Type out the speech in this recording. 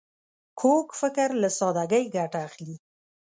کوږ فکر له سادګۍ ګټه اخلي